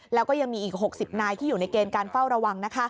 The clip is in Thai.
แล้วก็ยังมีอีก๖๐นายที่อยู่ในเกณฑ์การเฝ้าระวัง